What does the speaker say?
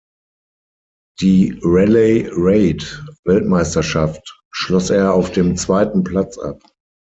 Die Rallye-Raid-Weltmeisterschaft schloss er auf dem zweiten Platz ab.